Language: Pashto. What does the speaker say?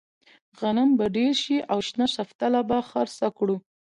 غنم به ډېر شي او شنه شفتله به خرڅه کړو.